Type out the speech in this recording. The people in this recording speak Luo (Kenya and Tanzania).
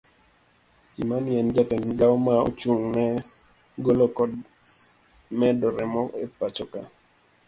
Imani en jatend migawo ma ochung ne golo kod medo remo epachoka.